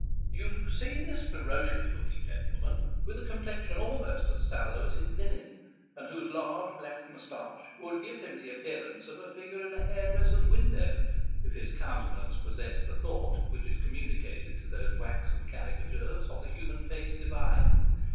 You see this ferocious looking gentleman, with a complexion almost as sallow as his linen, and whose large black moustache would give him the appearance of a figure in a hairdresser's window, if his counte nance possessed the thought which is communicated to those waxen caricatures of the human face divine.